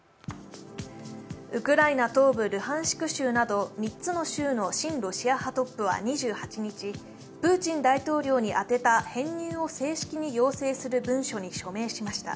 ウクライナ東部ルハンシク州など３つの州の親ロシア派は２８日、プーチン大統領に宛てた編入を正式に要請する文書に署名しました。